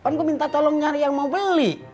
kan gue minta tolong nyari yang mau beli